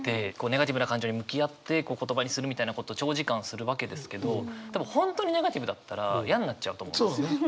ネガティブな感情に向き合って言葉にするみたいなこと長時間するわけですけど本当にネガティブだったら嫌になっちゃうと思うんですよね。